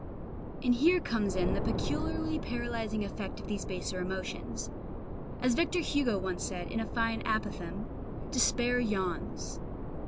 And here comes in the peculiarly paralysing effect of these baser emotions. As Victor Hugo once said, in a fine apophthegm, "Despair yawns."